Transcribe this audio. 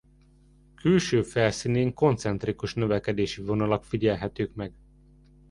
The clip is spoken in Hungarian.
Külső felszínén koncentrikus növekedési vonalak figyelhetők meg.